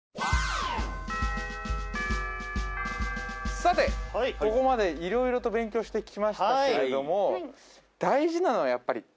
さてここまで色々と勉強してきましたけれどもそうですようん！